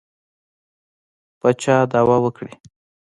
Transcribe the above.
پر چا دعوه وکړي.